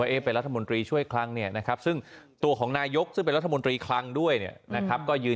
วะเอ๊คเป็นวัฒนธรรมดีช่วยคลั่งเนี่ยนะครับตัวของนายกซึ่งเป็นวัฒนธรรมดีคลั่งด้วยเนี่ยนะครับ